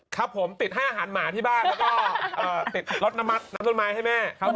ครับผมติดให้อาหารหมาที่บ้านแล้วก็ติดลดน้ำต้นไม้ให้แม่ครับ